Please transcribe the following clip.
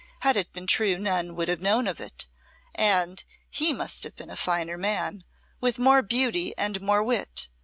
Had it been true none would have known of it, and he must have been a finer man with more beauty and more wit.